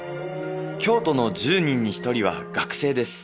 京都の１０人に１人は学生です